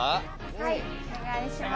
はいお願いします。